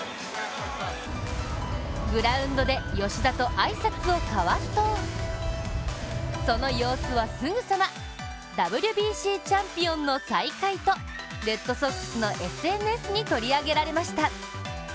グラウンドで吉田と挨拶を交わすとその様子は、すぐさまＷＢＣチャンピオンの再会とレッドソックスのＳＮＳに取り上げられました。